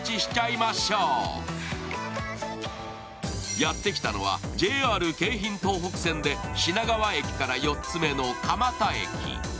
やって来たのはＪＲ京浜東北線で品川駅から４つ目の蒲田駅。